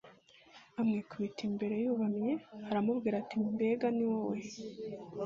amwikubita imbere yubamye aramubwira ati Mbega ni wowe